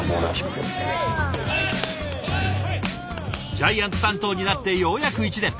ジャイアンツ担当になってようやく１年。